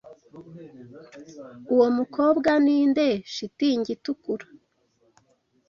Uwo mukobwa ninde shitingi itukura?